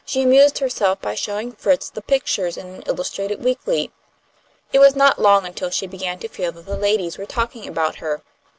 She amused herself by showing Fritz the pictures in an illustrated weekly. It was not long until she began to feel that the ladies were talking about her.